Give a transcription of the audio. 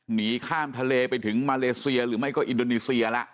หนีข้ามทะเลไปถึงมาเลเซียหรือไม่ก็อินโดนีเซียแล้ว